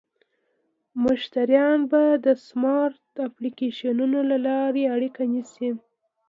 مشتریان به د سمارټ اپلیکیشنونو له لارې اړیکه نیسي.